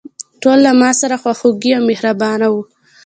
ټول له ماسره خواخوږي او مهربانه وو.